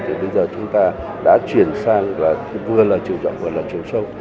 thì bây giờ chúng ta đã chuyển sang và vừa là chiều rộng vừa là chiều sâu